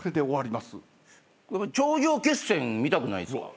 頂上決戦見たくないですか？